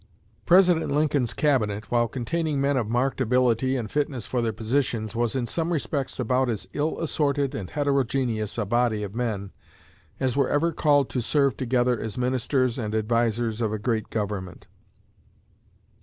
President Lincoln's Cabinet, while containing men of marked ability and fitness for their positions, was in some respects about as ill assorted and heterogeneous a body of men as were ever called to serve together as ministers and advisers of a great government.